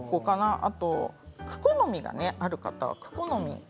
あとはクコの実がある方はクコの実。